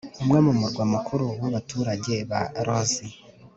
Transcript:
umwe mu murwa mukuru w'abaturage ba lozi